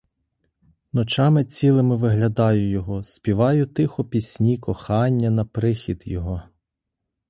Ночами цілими виглядаю його, співаю тихо пісні кохання на прихід його.